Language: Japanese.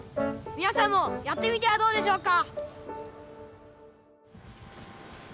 皆さんもやってみてはどうでしょうか。